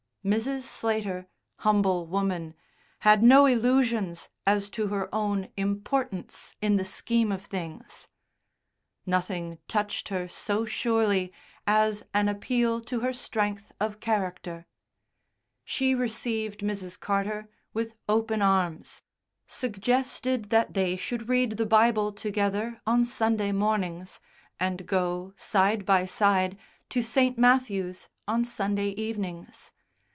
Mrs. Slater, humble woman, had no illusions as to her own importance in the scheme of things; nothing touched her so surely as an appeal to her strength of character. She received Mrs. Carter with open arms, suggested that they should read the Bible together on Sunday mornings, and go, side by side, to St. Matthew's on Sunday evenings.